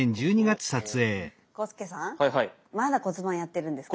浩介さんまだ骨盤やってるんですか。